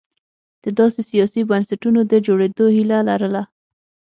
د داسې سیاسي بنسټونو د جوړېدو هیله لرله.